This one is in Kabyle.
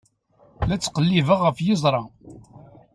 La ttqellibeɣ ɣef yiẓra.